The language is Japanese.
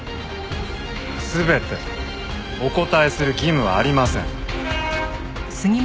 全てお答えする義務はありません。